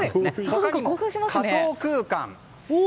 他にも仮想空間。